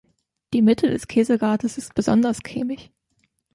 Die Mitte des Käserades ist besonders cremig.